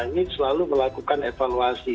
ini selalu melakukan evaluasi